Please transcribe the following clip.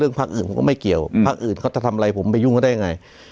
ภาคอื่นผมก็ไม่เกี่ยวภาคอื่นเขาจะทำอะไรผมไปยุ่งเขาได้ยังไง